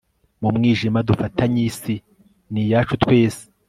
mu mwijima dufatanye isi ni iyacu twese